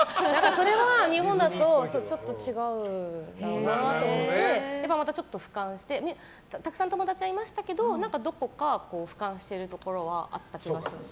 それは日本だとちょっと違うんだなと思ってちょっと俯瞰してたくさん友達はいましたけどどこか俯瞰してるところはあった気がします。